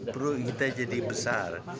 perut kita jadi besar